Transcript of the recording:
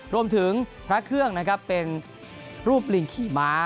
รวมถึงพระเครื่องนะครับเป็นรูปลิงขี่ม้า